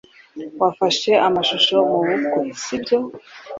Wafashe amashusho mubukwe, sibyo?